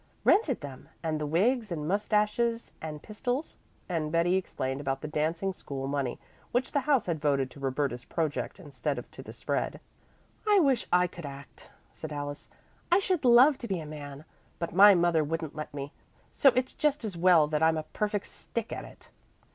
"Rented them, and the wigs and mustaches and pistols," and Betty explained about the dancing school money which the house had voted to Roberta's project instead of to the spread. "I wish I could act," said Alice. "I should love to be a man. But my mother wouldn't let me, so it's just as well that I'm a perfect stick at it."